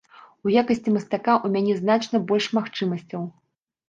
У якасці мастака ў мяне значна больш магчымасцяў.